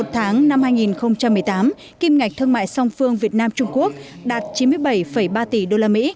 một tháng năm hai nghìn một mươi tám kim ngạch thương mại song phương việt nam trung quốc đạt chín mươi bảy ba tỷ usd